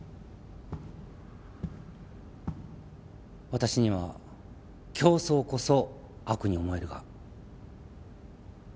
私には競争こそ悪に思えるが。